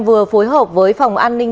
vừa phối hợp với phòng an ninh